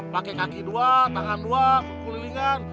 pakai kaki dua tangan dua kelilingan